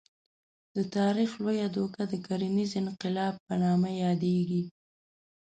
د تاریخ لویه دوکه د کرنیز انقلاب په نامه یادېږي.